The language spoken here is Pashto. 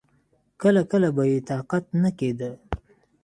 کله کله به يې طاقت نه کېده.